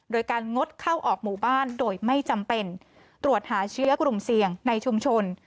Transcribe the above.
โดยการงดเข้าออกหมู่บ้านโดยไม่จำเป็นตรวจหาเชื้อกลุ่มเสี่ยงในชุมชน